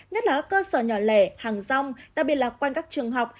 nhất là cơ sở nhỏ lẻ hàng rong đặc biệt là quan các trường học